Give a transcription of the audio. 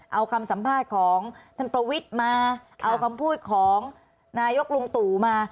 เอาคำสัมภาษณ์ของท่านประวิทย์มาเอาคำพูดของนายกลุงตู่มา